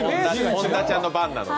本田ちゃんの番なので。